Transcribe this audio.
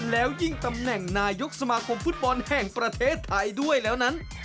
แล้วยิ่งตำแหน่งนายกสมาคมฟุตบอลแห่งประเทศไทยด้วยแล้วนั้น